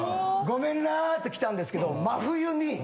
「ごめんな」って来たんですけど真冬に。